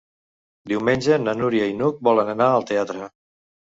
Diumenge na Núria i n'Hug volen anar al teatre.